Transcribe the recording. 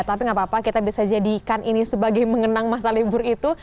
tapi gak apa apa kita bisa jadikan ini sebagai mengenang masa libur itu